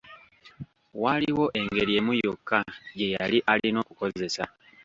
Waaliwo engeri emu yokka gye yali alina okukozesa.